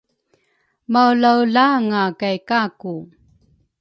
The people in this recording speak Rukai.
maelaelanga kay Kaku.